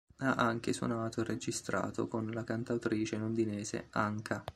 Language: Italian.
Ha anche suonato e registrato con la cantautrice Londinese Anca.